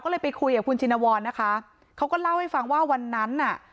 ก็เลยไปคุยกับคุณชินวรนะคะเขาก็เล่าให้ฟังว่าวันนั้นน่ะ